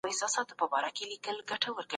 خپل وطن ودان کړئ.